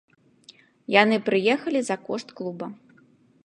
Яны прыехалі за кошт клуба.